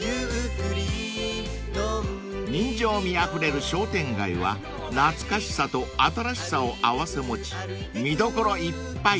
［人情味あふれる商店街は懐かしさと新しさを併せ持ち見どころいっぱい］